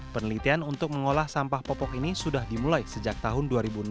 penelitian untuk mengolah sampah popok ini sudah dimulai sejak tahun dua ribu enam belas